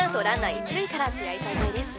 一塁から試合再開です